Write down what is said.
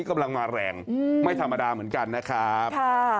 ไม่ธรรมดาเหมือนกันนะครับ